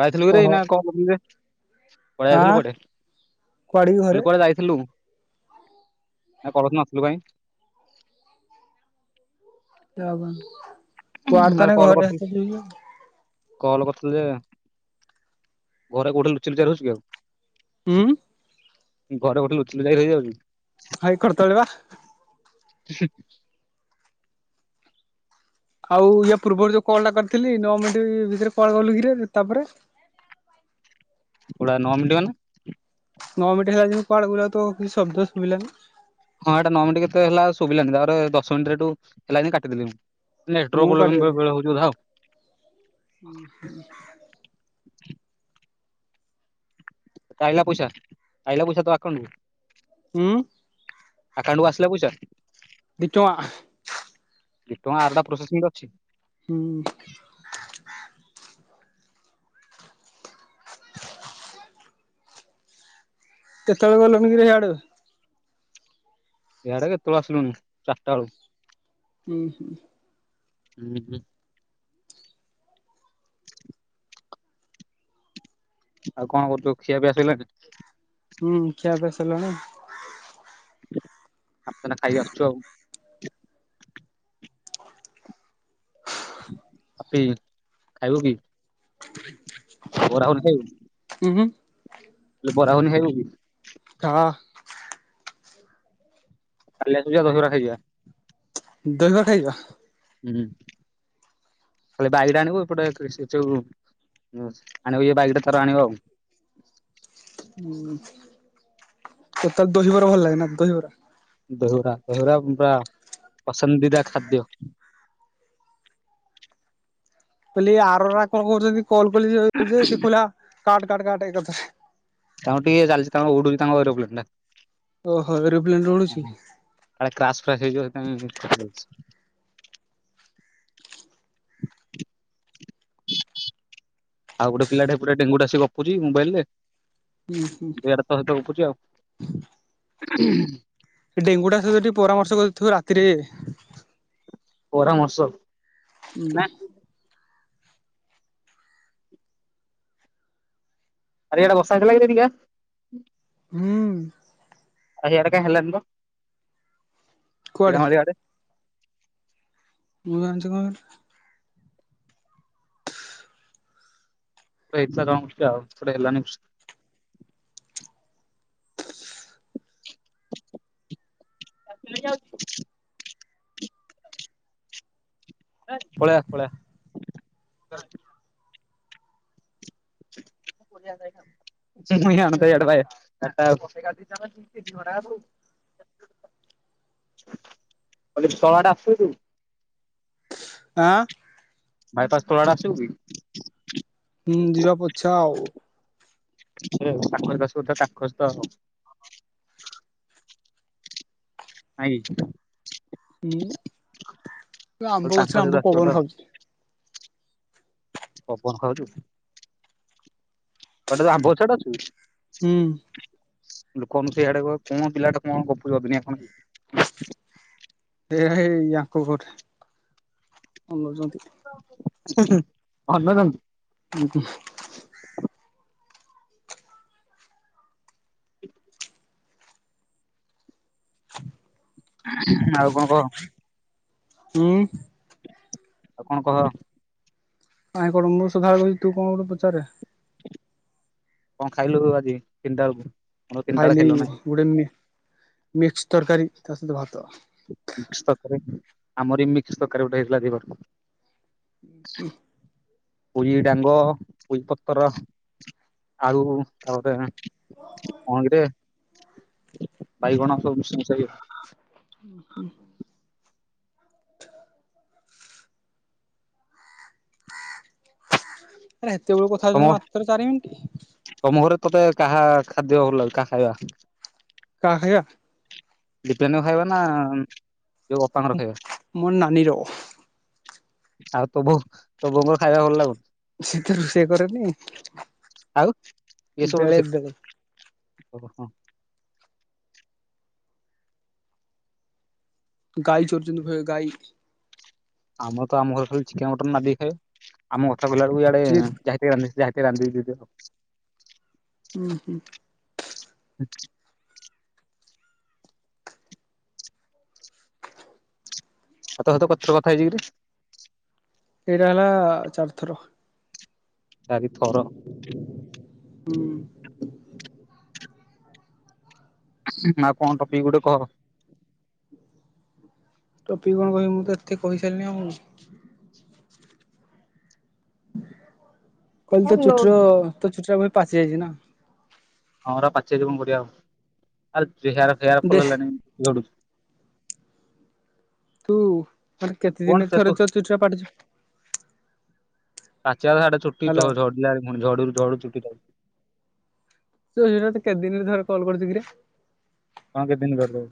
ଜାଇଥିଲୁରେ କହ ଏଇନା କମ୍ ବୁଲିବେ। କ ଆ ଯାଇଥିଲୁ କୁଆଡେ କୁଆଡେ କି ଘରେ ବୋଲି କୁଆଡେ ଯାଇଥିଲୁ। ପରଦିନ ନଥିଲୁ କାଇଁ। [unintelligible] କୁଆଡ ତ ନାଇଁ ଘରେ ବସିଥିଲି ଟିକେ। କଲ କରିଥିଲୁ ଯେ ଘରେ କୋଉଠି ଲୁଚି ଲୁଚା ରହୁଛୁ କି ଆଉ। ହୁଁ। ଘର କୋଉଠି ଲୁଚକି ରହି ଯାଉଛି କି? ହେଇ କରତଳେ ବା ହେଁ। ଆଉ ୟା ପୂର୍ବରୁ ଯୋଉ କଲ ଟା କରିଥିଲି ନଅ ମିନିଟ୍ ଭିତରେ କୁଆ ଗଲୁ କିରେ ତାପରେ ଭାଇ [unintelligible] ନଅ ମିଟ ହେଲା ଯେମିତି କୁଆଡେ ତୋର ଶଦ୍ଦ ଶୁଭିଲା ନାହିଁ। ହଁ ଏଇଟା ନଅ ମିନିଟ କେତେ ହେଲା ଶୁଭିଲାନି ତାପରେ ଦଶ ମିନିଟ ଏୁ ହେଲାି କାଦେଲି ମୁଁ। ନେଟୱର୍କ ମୁଁ କୁଆଡେ ଗଲି ପ୍ରୋବଲେମ ହଉଥିବ ଯାହା। ଆଇଲା ପଇସା ଆାଇଲା ପଇସା ତୋ ଆକାଉଣ୍ଟ କୁ। ହୁଁ। ଆକାଉଣ୍ଟ କୁ ଆସିଲା ପଇସା। ଦି ଟଙ୍କା। ଦ ଟଙ୍କା ଆରଟା ପ୍ରୋସେସିଂରେ ଅଛି। ହୁଁ [inaudible] କେତେବେଳେ ଗଲନି କି ହିଆଡେ ଇଆଡ଼େ କେତେବେଳେ ଆସିଲୁଣି, ଚାରିଟା ବେଳୁ ହୁଁ ହୁଁ ହୁଁ ହୁଁ ଆଉ କଣ କରୁଛୁ? ଖିଆ ପିଆ ସଇଲାଣି? ହୁଁ ଖିଆପିଆ ସଇଲାଣି। ଆ ଖାଇକି ଆସୁଛୁ ଆଉ [unintelligible] ଖାଇବୁ କି? ଓ ରାହୁଲ ସାବ [unintelligible] ହୁଁ ହୁଁ ବରା ଗୁଗୁନି ଖାଇବୁକି? ହଁ କାଲି ଆସିବୁ ଯା ଦହିବରା ଖାଇଯିବା । ଦହିବ ଖାଇବା। ହୁଁ ବାଇଡ ଆଣ କ ଏପଟେ କୃଷ [unintelligible] ଆ ବାଇକଟା ଥରେ ଆଣିିବ ଆଉ [inaudible] ହୁଁ, ତ ତାର ଦହିବରା ଭଲ ଲାଗେନା ଦହିବରା ଦେହୁର ଦେହରା ପା ପସନ୍ଦିଦା ଖାଦ୍ୟ [unintelligible] କ ଆର କଣ କରୁ କଲ କ ଖ କାାାଥା [unintelligible] ତାଙ୍କଙ୍କୁ ଟିକେ ଚାଲିଛି ତାଙ୍କଙ୍କୁ ଉଡୁଛି ତାଙ୍କଲୋ [unintelligible] କ୍ ଓହୋ ଏରୋପ୍ଲେନ ରେ ଉଡୁଛି ଫ୍ ହେଇଯ କଥାଛ [unintelligible] ଆଉ ଗୋଟେ ପିଲା ପୁରା ଡେଙ୍ଗୁତେ ଆସି ଗପୁଛି ମୋବାଇଲ ରେ ହୁଁ ହୁଁ ଦଡ ତ ସତ ପଖୁଛି ଆଉ [unintelligible] ଡେଙ୍ଗୁ ଟା ସହିତ ଟିକେ ପରାମର୍ଶ କରିଥିବ ରାତିରେ ପରାମର୍ଶ ହୁଁ ନା ଆରେ ଏଡା ବଷକ ଲାଗଥା ଟିକା [unintelligible] ହୁଁ ଆ ଆକାଇ ଖିଲଣି ବା କୁଆଡେ ହିରାମଳି ଗଡେ [unintelligible] ମୁଁ ଗଞ୍ଚଙ୍କ [unintelligible] ଏଥିଲା କାମ ଆଉ ଥ ହେଲା ନ [unintelligible] ମେ ଯାଉଛ [unintelligible] ପଲେଇଆ ପଳେଇଆ ହ [inaudible] ମୁ ଆ ଏଡ [unintelligible] [inaudible] କ ଶଳା ଟା ଆସୁ ଆ ମାଇ ପା ଖୋଲାଡାସ ଭ [unintelligible] ହୁଁ ଯିବା ପଛ ଆଉ କାକ ଦସଧ କାକସ ତ ଆେ [unintelligible] ହଁ କହିଲି ଆମ୍ବ ତାଙ୍କ ଗଛ, ସହିତ ଆମ୍ବ ଆସିବ ପବନ ତ ଖାଉଛି। ପବନ ଖାଉଛୁ, ଗଟେ ଆମ୍ବ ସେଟା ଅଛୁ। ହୁଁ ଲୋକୁ ସେଆଡେ କହ କଣ ପିଲାଟା କଣ ଗପ ଦିନଣ [unintelligible] ଏଇ ୟାକ ଘରେ [unintelligible] [unintelligible] ଆଉ କଣ କହ? ଉ। ଆଉ କଣ କହ? ଆଇ କଣ ମୁଁ ସଧାବେଳେ କଉଚି ତୁ କଣ ଗୋଟେ ପଚାରେ? କଣ ଖାଇଲୁ ଆଜି ତିନିଟା ବେଳକୁ? ଆମର ତିନିଟା ବେଳେ ଖାଇଲି ଖାଇଲୁ ନା ଗୋଟେ ମି ମିକ୍ସ ତରକାରୀ ତା ସହିତ ଭାତ। ମିକ୍ସ ତରକାରୀ ଆମରି ଗୋଟେ ହେଇଥିଲା ଦିପର। ଉ ପୋଇଁ ଡାଙ୍ଗ ପୋଇଁ ପତ୍ର ଆଳୁ ତାପରେ କଣ କିରେ ବାଇଗଣ ସବୁ ମିସି ମିସାକି ଉହୁଁ। ଆରେ ହେତେବେଳୁ କଥା ତମ ହେଉଛନ୍ତି ମାତ୍ର ଚାରି ମିନିଟ୍। ତମ ଘରେ ତତେ କାହା ଖାଦ୍ୟ ଭଲ ଲାଗେ କାହା ଖାଇବା? କାହା ଖାଇବା। ଦିପେନ ଖାଇବା ନା ଯୋଉ ଅପାଙ୍କର ଖାଇବା ମର ନାନୀ ର ଓହ ଆଉ ତ ବୋଉ ତବୋଉଙ୍କର ଖାଇବା ଭଲ ଲାଗୁନି? ସେ ତ ରୋଷେଇ କରେନି ଆଉ ବେଳେ ବେଳେ ଓ ହଁ। ଗାଈ [unintelligible] ଗାଈ। ଆମର ତ ଆମ ଘରେ ଖାଲି ଚିକେନ ମଟନ୍ ନାଧିକି ଖାଇବେ ଆମ କଥା ଅଥା ବୁଲିଲା ବେଳକୁ ଏଆଡେ ଏଇଟା ଯାଇତାହି ଅନିସ୍ରାହେ ରାଦ୍ଦିକି ଦେଇଦିଅ। ଉ ହୁଁ। [inaudible] ଆଉ ତ ସହିତ କେତଟା କଥା ହେଇଚି କି ରେ? ଏଇଟା ହେଲା ଚାରିଥର। ଚାରିଥର। ହୁଁ। ନା କଣ ଟପିକ୍ ଗୋଟେ କହ। ଟପିକ୍ କଣ କହିବି ମୁଁ ତ ଏତେ କହିସାରିଲିନି ଆଉ । କହିଲି ତ ଚୁଟିର ତ ଚୁଟିର ଭୋଉତୁ ପାଚି ଯାଇଚି ନା? ହଁ ଏରା ପାଚି ଯାଇଚି କଣ କରିବା ଆଉ ଆରେ ଚେହାର ହେୟାର ଦେ ଫୁଲ୍ ହେଲାଣି‌ ପଡ଼ୁଛି। ତୁ ମାନେ କେତେ କଣ ଦିନିରେ ତୁ ଥରେ ତ ଚୁଟିଟା ପାଟୁଚି? ଚାର ସାଟା ଚୁଟିଝ ଝଡ଼ିଲାଆଳେ ପୁଣି ଝଡ଼ୁଚି ଚୁଟିଟା। ତ ସେଟା ତ କେତେ ଦିନରେ ଥରେ କଲ୍ କରୁଚୁ କିରେ? କଣ କେତେ ଦିନ ପରେ।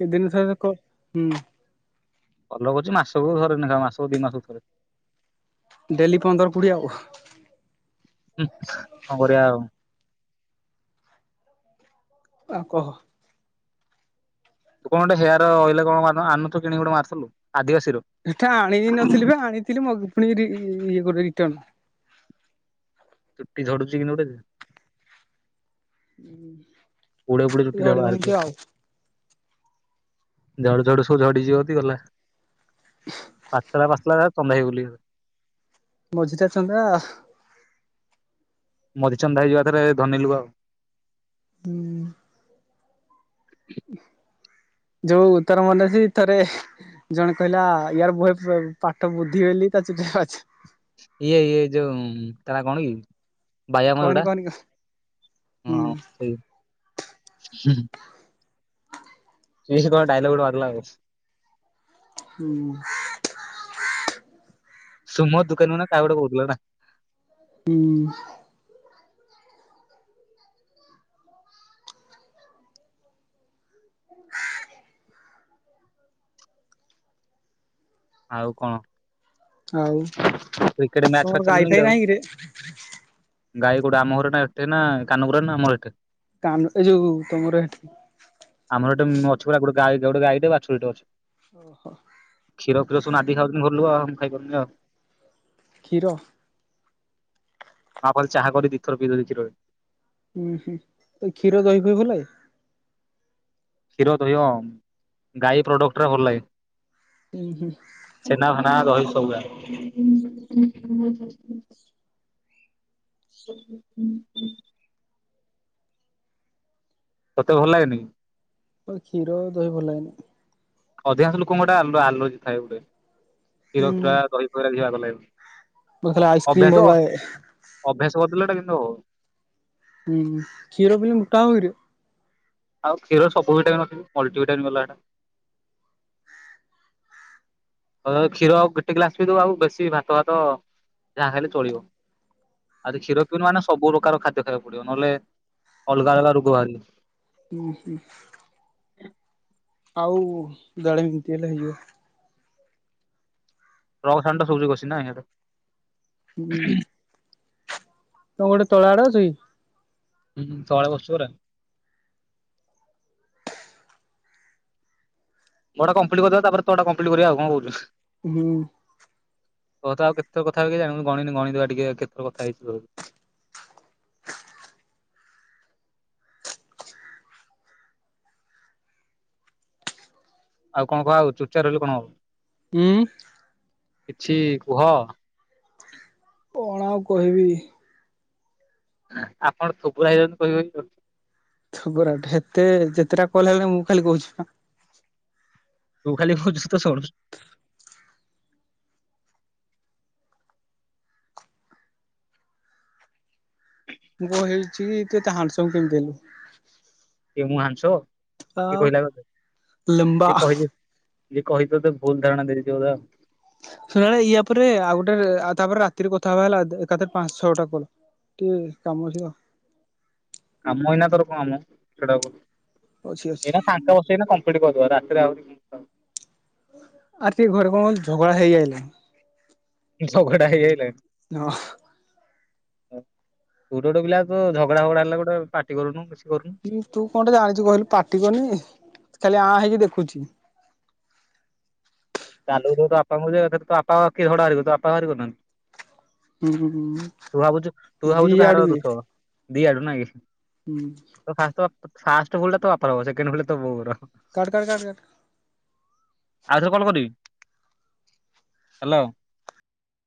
କେତେ ଦିନି ଥରେ କ ହୁଁ। କଲର୍ କରୁଚି ମାସକୁ ଥରେ ନେଖା ମାସକୁ ଦି ମାସକୁ ଥରେ। ଡେଲି ପନ୍ଦର କୋଡିଏ ଆଉ। କଣ କରିବା ଆଉ? ଆଉ କହ। ତୁ କଟେ ହେୟାର ଅଏଲେ ମାରୁନୁ କଣ ଆଣିନଥିଲୁ କିଣିକି ଗୋଟେ ମାରୁଥିଲୁ। ଆଦିବାସୀର। ସେଟା ଆଣି ବି ନଥିଲି ବେ ଆଣିଥିଲି ମ ପୁଣି ରି ଇଏ କରି ରିଟନ। ଚୁଟି ଝଡ଼ୁଚିକି ନଡ଼େଲ୍ ହୁଁ। ପୁଳେ ପୁଳେ ଚୁଟି ଅରା ବାହାରୁଚି। ଝଡ଼ୁ ଝଡ଼ୁ ସବୁ ଝଡ଼ି ଯିବତି ଗଲା। ପାଚଲା-ପାଚଲା ତମେ ବୋଲି ମଝିରେ ଚନ୍ଦା। ମଝିଚନ୍ଦା ହେଇଯିବା ଥରେ ଧନୀ ଲ ଆଉ ହୁଁ। ହ ଯୋଉ ଉତ୍ତର ମନେ ଥରେ ଜଣେ କହିଲା ୟାର ବୁେ ପାଠ ବୁଦ୍ଧି ବେଲି ତା [unintelligible] ଇଏ-ଇଏ ଯୋଉ ତା‌‌ ନା କଣ କି? ବାହା ମ କହନି ଏଟା କହନି ହୁଁ ହଁ ସେଇ। ସେ ସେ ଟୋକା ଡାଇଲୋଗ ମାରିଲା ହୁଁ। ସୁମ ଦୋକାନ ନା ତାୱଟା ବଉଥିଲା ନା। ହୁଁ। କ ଆଉ କଣ? ହଉ କ୍ରିକେଟ ମ୍ୟାଚ ଫ୍ୟାଚ ତମର ଗାଈ ଚାଲୁନି ଫାଇ ଆଉ। ନାହିଁ କିରେ। ଗାଈ ଗୋଡା ଆମ ଘର ନା ଏତେ ନା କାନୁ ବୁଢାର ନା ଆମର ଏତେ କାନ ଏ ଯୋଉ ତମର ଏଠି। ମୋର ଅଛି ପୁରା ଗଟ ଗୋଟ ଗଈଟେ ବାଛୁରିଟେ ଅଛି। ଓ ହୋ। କ୍ଷୀର ଫୀର ସବୁ ନାଦିକି ଖାଉଛନ୍ତି ଘର ଲୋକ ଆମେ ଖାଇ ପାରୁନି ଆଉ। କ୍ଷୀର। ମାଫଲ ଚାହା କରି ଦିଥର ପିଦେଲି କ୍ଷୀରରେ। ହୁଁ-ହୁଁ କ୍ଷୀର ଦହିିଫହି ଭଲ ଲାଗେ। କ୍ଷୀର ଦହି ଗାଈ ପ୍ରଡକ୍ଟ ଭଲ ଲାଗେ। ହୁଁ-ହୁଁ। ନା ରହି ସବୁ ହୁଁ। ତତେ ଭଲ ଲାଗେନି। ଆ କ୍ଷୀର ଦହି ଭଲ ଲାଗନି। ଅଧିକାଂଶ ଲୋକଙ୍କଟେ ଆଲୋଜି ଥାଏ ଗୋଟେ କ୍ଷୀର ହୁଁ କ୍ଷୀର ଦହି ବଗରା ଭଲ ଲାଗେ ମତେ ଖାଲି ଆଇସ୍କ୍ରିମ ଭଲ ଲାଗେ ଅଭ୍ୟାସ-ଅଭ୍ୟାସ କରିଦଲେଟା କିନ୍ତୁ ହୁଁ କ୍ଷୀର ପିଲେ ମୋଟା ହବ କିରେ। ଆଉ କ୍ଷୀର ସବୁ ଭଟାମିନ ମଲ୍ଟି ଭଟାମିନ ଗଲା ସେଇଟା ଉ କ୍ଷୀର ଆଉ ଗୋଟେ ଗ୍ଲାସ ବି ଦବା ଆଉ ବେଶୀ ଭାତ ଭାତ ଯାହା ଖାଇଲେ ଚଳିବ। ଆଉ କ୍ଷୀର ପିଇନ ମାନେ ସବୁ ପ୍ରକାର ଖାଦ୍ୟ ଖାଇବାକୁ ପଡିବ ନହେଲେ ଅଲଗା-ଅଲଗା ରୋଗ ବାହାରିବ। ହୁଁ-ହୁଁ। ଆଉ [unintelligible] ହେଲେ ହେଇଯିବ। ଟ୍ରକ୍ ସାଉଣ୍ଡଟା ଶୁଭୁଛି ବେଶି ନାହିଁ। ହୁଁ। ତମ ଗୋଟେ ତଳ ଆଡ ଅଛି। ହୁଁ ତଳେ ବସିଛୁ ପରା। ଗଡଟା କମ୍ପ୍ଲିଟ କରିବା ତାପରେ ତାଟା କମ୍ପ୍ଲିଟ କରିବା କଣ କହୁଛୁ? ହୁଁ। ତ ତ ଆଉ କେତେର କଥା ହେଛି ଜାଣୁ ଗଣିନି ଗଣଦବା ଟିକେ କେତେର କଥା ହେଇଛି ତୋ ଆଉ କଣ କୁହ ଆଉ ଚୁଚାପ ରହିଲୁ କଣ ହବ? ଉଁ ମ୍ଁ। କିଛି କୁହ। କଣ ଆଉ କହିବି? ଆପଣ ଥୋବୋରା ହେଇଯାଉଚନ୍ତି କହି କହି ଆଉ। ଥୋବୋରା ହେତେ ଯେତେଟା କଲ ଆଇଲାଣି ମୁଁ ଖାଲି କୋହୁଚି ପା। ତୁ ଖାଲି କୋହୁଚୁ ସେତ ଶୁଣୁଚ ମୁଁ କଣ ହେଇଚି କି ତୁ ଏତେ ହାଣ୍ଡସମ୍ କେମତି ହେଲୁ? କିଏ ମୁଁ ହାଣ୍ଡସମ କିଏ ଆଉ କହିଲା ତତେ ଲମ୍ବା। କିଏ କହିଲେ ଯିଏ କହିଚି ତତେ ଭୁଲ ଧାରଣା ଦେଇଥିବତ। ଶୁଣେ ୟା ପରେ ଆଉ ଗୋଟେ ଆଉ ତାପରେ ରାତିରେ କଥା ହବା ହେଲା ଦେ-ଏକାଥରେ ପାଞ୍ଚ ଛଅଟା କଲ। ଟିକେ କାମ ଅଛି ତ। କାମ ଏଇନା ତୋର କଣମ ସେଟାକୁ ଅଛି ଅଛି ଏଇନା ଫାଙ୍କା ବସଚି ଏଇନା କମ୍ ସେଇଟି କ-କ ରାତିରେ ଆହୁରି ଭୋଉତ କାମ ଆରେ ସେ ଘରେ କଣକି ଝଗଡ଼ା ହେଇଆଇଲାଣି। ଝଗଡା ହେଇଆଇଲାଣି। ହଁ। ତୁ ତ ଗୋଟେ ପିଲା ତ ଝଗଡା ଫଗଡା ହେଲା ଗୋଟେ ପାଟି କରୁନୁ କିଛି କରୁନୁ ହୁଁ ତୁ କଣ୍ଟେ ଜାଣିଚୁ କହିଲୁ ପାଟି କରନି ଖାଲି ଆ ହେଇକି ଦେଖୁଚି। ଡାଲୁକୁ ଥିବୁ ତୋ ବାପାଙ୍କୁ ଯେ ବାପା ଏକାଥରେ ତୋ ବାପା [unintelligible] ତୋ ବାପା ବାହାରି କରିନାହାନ୍ତି। ହୁଁ ତୁ ଭାବୁଚୁ ତୁ ଦି ଭାବୁଚୁ କାହାର ଆଡୁ ଇଏ ଦୋଷ ହବ। ଦିଆଡୁ ନାଇକି ହୁଁ ତ ଫାଷ୍ଟ ତ ତ ଫାଷ୍ଟ ଭୁଲଟା ତୋ ବାପ ଦବ ସେକେଣ୍ଡ ଭୁଲଟା ତୋ ବୋଉର। କଟେ କାଟେ କାଟେ କାଟେ। ଆଉଥରେ କଲ୍ କରିବି ହାଲୋ